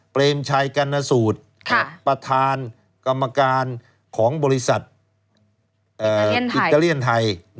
เปรมชัยกรรณสูตรประธานกรรมการของบริษัทอิตาเลียนไทย